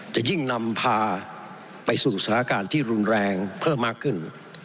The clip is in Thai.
จะยิ่งนำพาไปสู่สถานการณ์ที่รุนแรงเพิ่มมากขึ้น